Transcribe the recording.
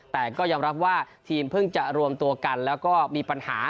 แต่ก็ยอมรับว่าทีมเพิ่งจะรวมตัวกันแล้วก็มีปัญหา